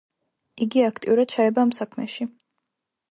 იგი აქტიურად ჩაება ამ საქმეში.